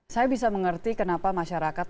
saya bisa mengerti kenapa masyarakat